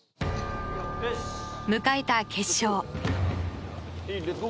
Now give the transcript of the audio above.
迎えた決勝。